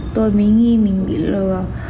tôi mới nghĩ mình bị lừa